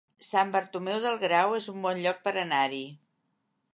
Sant Bartomeu del Grau es un bon lloc per anar-hi